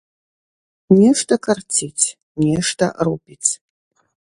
Нешта карціць, нешта рупіць.